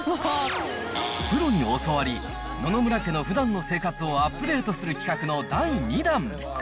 プロに教わり、野々村家のふだんの生活をアップデートする企画の第２弾。